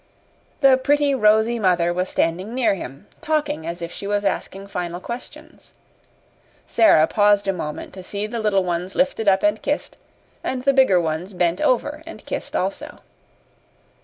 The pretty rosy mother was standing near him, talking as if she was asking final questions. Sara paused a moment to see the little ones lifted up and kissed and the bigger ones bent over and kissed also.